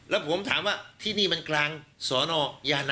แล้วผมถามว่าที่นี่มันกลางสอนอยานะ